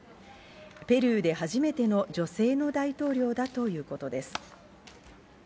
ペルーで初めての女性の大統領だということです。